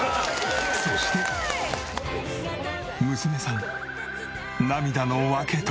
そして娘さん涙の訳とは？